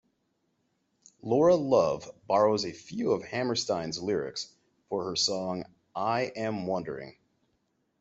Laura Love borrows a few of Hammerstein's lyrics for her song "I Am Wondering".